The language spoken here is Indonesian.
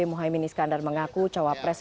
muhyemini skandar mengaku cawapres